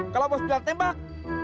kalau bos bilang tembak